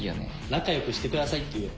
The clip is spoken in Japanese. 仲良くしてくださいって言おう。